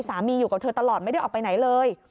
อยู่กับเธอตลอดไม่ได้ออกไปไหนเลย